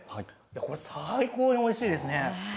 これ、最高においしいですね。